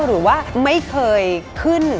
หรือว่าไม่เคยขึ้น